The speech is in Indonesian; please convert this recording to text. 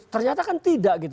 ternyata kan tidak